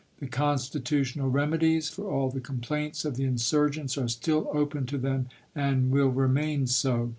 The constitutional remedies for aU the complaints of the insurgents are still open to them and will remain so.